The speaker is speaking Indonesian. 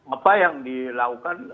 apa yang dilakukan